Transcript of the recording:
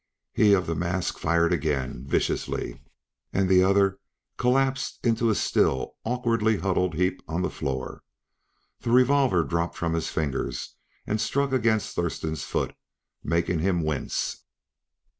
He of the mask fired again, viciously, and the other collapsed into a still, awkwardly huddled heap on the floor. The revolver dropped from his fingers and struck against Thurston's foot, making him wince.